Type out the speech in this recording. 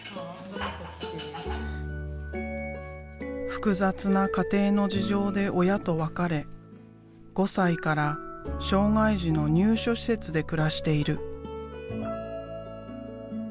複雑な家庭の事情で親と別れ５歳から障害児の入所施設で暮らしている。